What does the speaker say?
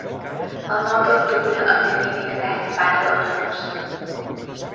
El nou d'octubre en Genís i na Bet van a Dosrius.